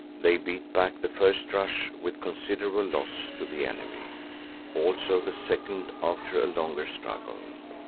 They beat back the first rush with considerable loss to the enemy, also the second after a longer struggle.